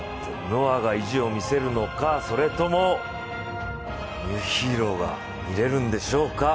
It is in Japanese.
ノアが意地を見せるのか、それともニューヒーローが見れるんでしょうか。